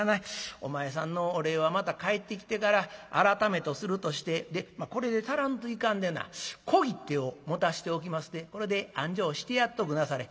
お前さんのお礼はまた帰ってきてから改めとするとしてでこれで足らんといかんでな小切手を持たせておきますでこれであんじょうしてやっとくなされ」。